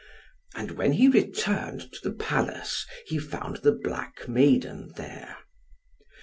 And when he returned to the palace, he found the black maiden there.